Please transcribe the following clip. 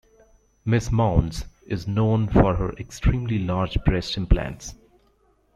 Ms. Mounds is known for her extremely large breast implants.